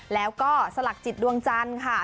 แล้วก็สลักจิตดวงจันทร์ค่ะ